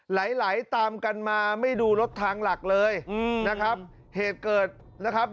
ไหลไหลตามกันมาไม่ดูรถทางหลักเลยอืมนะครับเหตุเกิดนะครับ